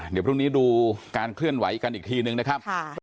เดี๋ยวพรุ่งนี้ดูการเคลื่อนไหวกันอีกทีนึงนะครับ